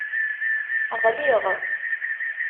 Ɣliɣ